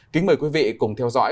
kính mời quý vị cùng theo dõi